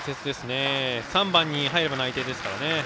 ３番に入れば内定ですからね。